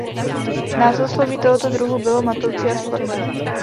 Názvosloví tohoto druhu bylo matoucí a sporné.